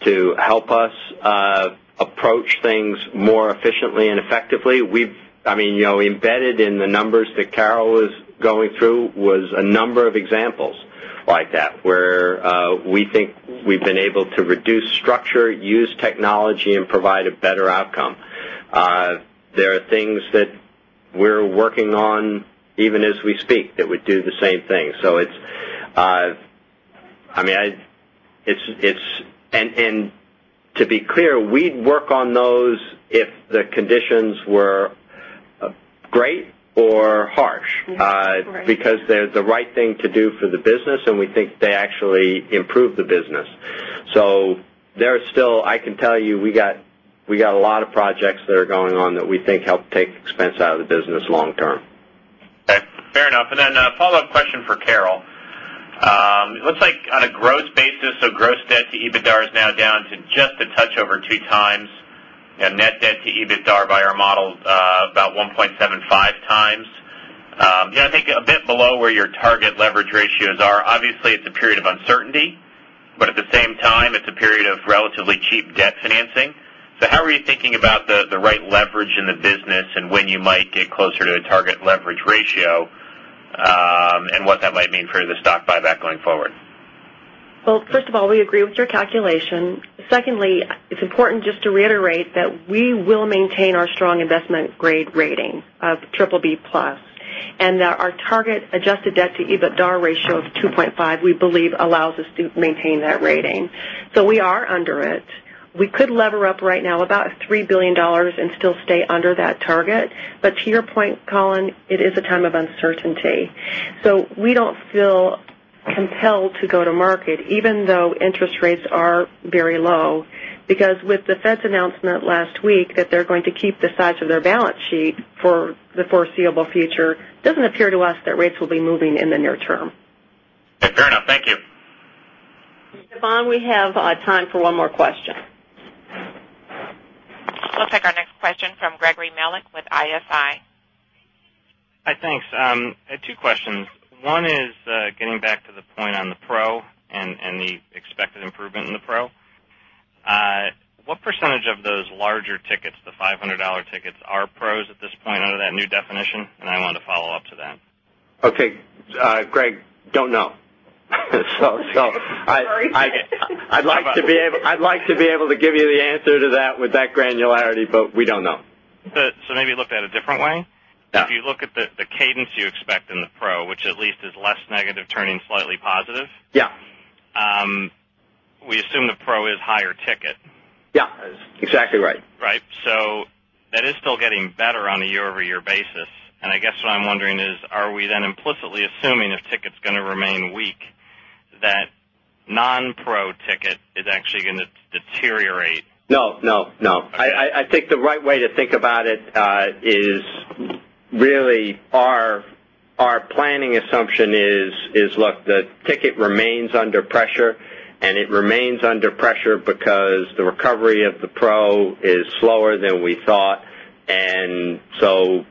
To help us approach things more efficiently and effectively, we've I mean, embedded in the numbers that Carol was Going through was a number of examples like that where we think we've been able to reduce structure, use technology and provide a better outcome. There are things that we're working on even as we speak that would do the same thing. So it's I mean, it's and to be clear, we'd work on those if the conditions were great Or Harsh, because they're the right thing to do for the business and we think they actually improve the business. So There is still I can tell you, we got a lot of projects that are going on that we think help take expense out of the business long term. Okay. Fair enough. And then a follow-up question for Carol. It looks like on a gross basis, so gross debt to EBITDAR is now down to just a touch over 2 times And net debt to EBITDA by our model is about 1.75 times. I think a bit below where your target leverage ratios are. Obviously, it's And when you might get closer to the target leverage ratio, and what that might mean for the stock buyback going forward? Well, first of all, we agree with your calculation. Secondly, it's important just to reiterate that we will maintain our strong investment grade rating of BBB plus And our target adjusted debt to EBITDAR ratio of 2.5, we believe allows us to maintain that rating. So we are under it. We could lever up right now about $3,000,000,000 and still stay under that target. But to your point, Collyn, it is a time of uncertainty. So we don't feel Compelled to go to market even though interest rates are very low because with the Fed's announcement last week that they're going to keep the size of their balance sheet For the foreseeable future, it doesn't appear to us that rates will be moving in the near term. Fair enough. Thank you. Yvonne, we have time for one more question. We'll take our next question from Gregory Malek with ISI. Hi, thanks. I have two questions. One is getting back to the point on the Pro and the expected improvement in the Pro. What percentage of those larger tickets, the $500 tickets are pros at this point under that new definition? And I want to follow-up to that. Okay. Greg, don't know. So I'd like to be able to give you the answer to that with that So maybe look at it a different way. If you look at the cadence you expect in the Pro, which at least is less negative turning slightly positive. We assume the pro is higher ticket. Yes, exactly right. Right. So that is still getting better on a year over year basis. I guess what I'm wondering is, are we then implicitly assuming if ticket is going to remain weak that non pro ticket is actually going to deteriorate? No, no, no. I think the right way to think about it is really our planning assumption is, look, the Ticket remains under pressure and it remains under pressure because the recovery of the Pro is slower than we thought. And so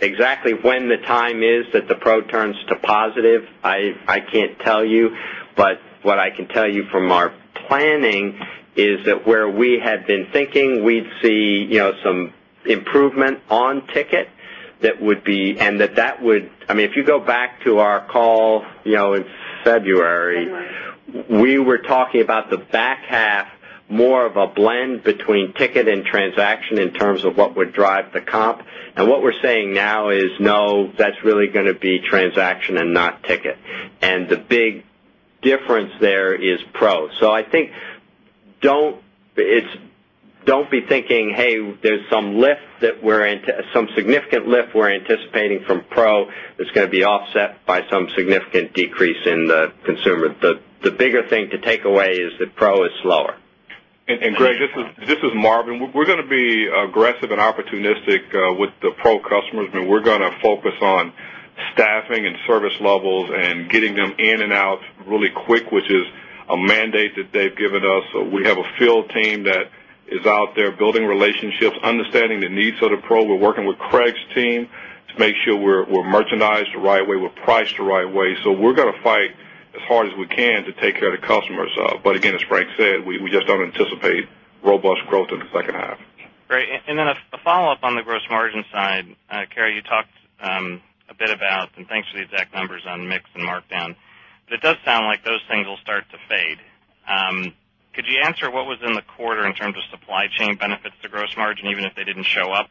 exactly when the time is that the pro turns to positive, I can't tell you. But what I can tell you from our planning is that where we had been thinking we'd see some Improvement on ticket that would be and that, that would I mean, if you go back to our call in February, We were talking about the back half more of a blend between ticket and transaction in terms of what would drive the comp. And what we're saying now is no, that's really going to be transaction and not ticket. And the big difference there is Pro. So I think Don't be thinking, hey, there's some lift that we're into some significant lift we're anticipating from Pro It's going to be offset by some significant decrease in the consumer. The bigger thing to take away is that Pro is slower. And Greg, this is Marvin. We're going to be aggressive and opportunistic with the Pro customers. I mean, we're going to focus on Staffing and service levels and getting them in and out really quick, which is a mandate that they've given us. So we have a field team that Is out there building relationships, understanding the needs of the Pro. We're working with Craig's team to make sure we're merchandised the right way, we're priced the right way. So we're going to fight As hard as we can to take care of the customers. But again, as Frank said, we just don't anticipate robust growth in the second half. Great. And then follow-up on the gross margin side. Carrie, you talked a bit about and thanks for the exact numbers on mix and markdown. It does sound like those things will start to fade. Could you answer what was in the quarter in terms of supply chain benefits to gross margin even if they didn't show up?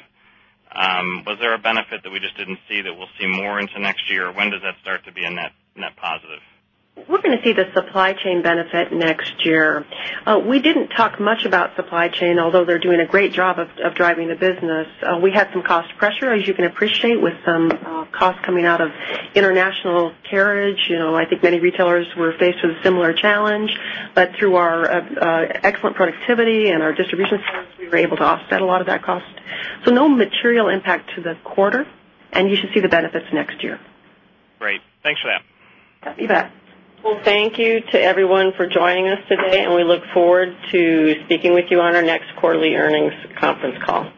Was there a benefit that we just didn't see that we'll see more into next year? When does that start to be a net positive? We're going to see the supply chain benefit next year. We didn't talk much about supply chain, although they're doing a great job of driving the business. We had some cost pressure, as you can appreciate, with some costs coming out of International Carriage, I think many retailers were faced with a similar challenge, but through our excellent productivity and our distribution centers, were able to offset a lot of that cost. So no material impact to the quarter and you should see the benefits next year. Great. Thanks for that. Well, thank you to everyone for joining us today, and we look forward to speaking with you on our next quarterly earnings conference call.